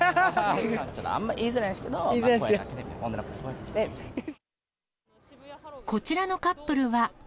ちょっとあんまり言いづらいんですけど、こちらのカップルは。